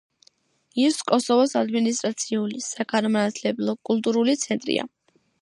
ის კოსოვოს ადმინისტრაციული, საგანმანათლებლო, კულტურული ცენტრია.